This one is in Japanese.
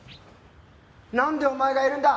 なんでお前がいるんだ！